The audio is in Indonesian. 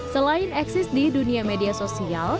selain eksis di dunia media sosial